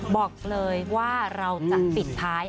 บอกเลยว่าเราจะปิดท้าย